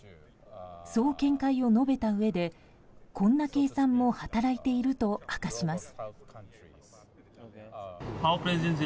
そう見解を述べたうえでこんな計算も働いていると明かします。